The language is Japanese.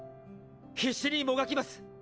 必死にもがきます！